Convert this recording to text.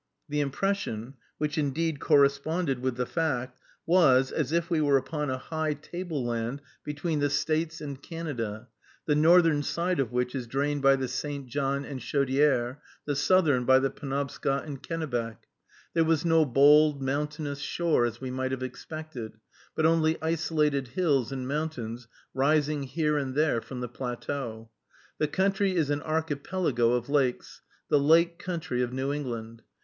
The impression, which indeed corresponded with the fact, was, as if we were upon a high table land between the States and Canada, the northern side of which is drained by the St. John and Chaudière, the southern by the Penobscot and Kennebec. There was no bold, mountainous shore, as we might have expected, but only isolated hills and mountains rising here and there from the plateau. The country is an archipelago of lakes, the lake country of New England.